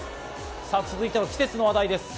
続いて、季節の話題です。